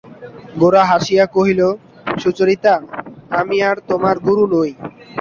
গোরা হাসিয়া কহিল, সুচরিতা, আমি আর তোমার গুরু নই।